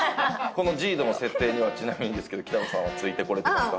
このＪＩＤＯの設定にはちなみにですけど北野さんはついてこられてますか？